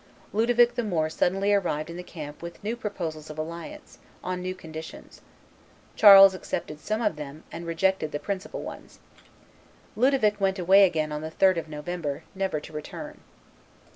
Ludovic the Moor suddenly arrived in the camp with new proposals of alliance, on new conditions: Charles accepted some of them, and rejected the principal ones. Ludovic went away again on the 3d of November, never to return.